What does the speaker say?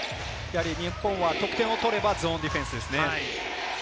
日本は得点を取れば、ゾーンディフェンスですね。